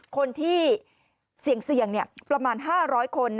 คนที่เสี่ยงประมาณ๕๐๐คน